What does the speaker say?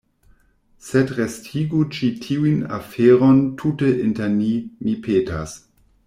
Sed restigu ĉi tiun aferon tute inter ni, mi petas.